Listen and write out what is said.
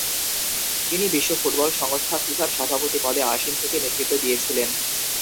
তিনি বিশ্ব ফুটবল সংস্থা ফিফা'র সভাপতি পদে আসীন থেকে নেতৃত্ব দিয়েছিলেন।